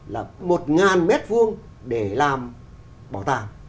là một ngàn mét vuông để làm bảo tàng